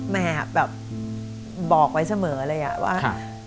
แบบบอกไว้เสมอเลยว่า